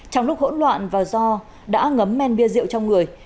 trong lúc hỗn loạn và do đã ngấm men bia rượu trong người